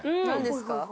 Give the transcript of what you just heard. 何ですか？